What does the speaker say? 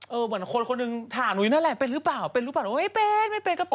เหมือนคนคนหนึ่งถามนุ้ยนั่นแหละเป็นหรือเปล่าเป็นหรือเปล่าหนูไม่เป็นไม่เป็นก็เป็น